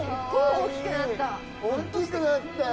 大っきくなったよ。